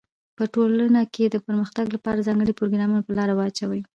په ټولنه کي د پرمختګ لپاره ځانګړي پروګرامونه په لاره واچوی.